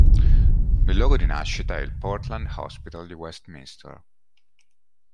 Il luogo di nascita è il Portland Hospital di Westminster.